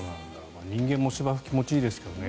人間も芝生、気持ちいいですけどね。